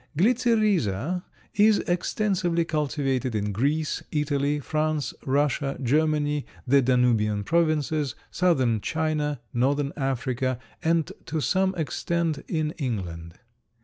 Glycyrrhiza is extensively cultivated in Greece, Italy, France, Russia, Germany, the Danubian Provinces, southern China, northern Africa, and to some extent in England.